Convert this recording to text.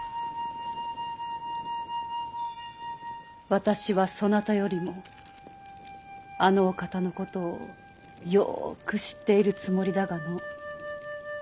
私はそなたよりもあのお方のことをよく知っているつもりだがの。